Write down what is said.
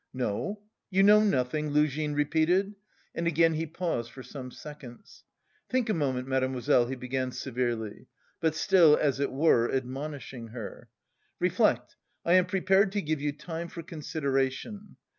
"No, you know nothing?" Luzhin repeated and again he paused for some seconds. "Think a moment, mademoiselle," he began severely, but still, as it were, admonishing her. "Reflect, I am prepared to give you time for consideration.